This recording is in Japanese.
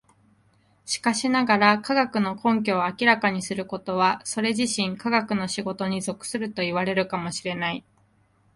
しかしながら、科学の根拠を明らかにすることはそれ自身科学の仕事に属するといわれるかも知れない。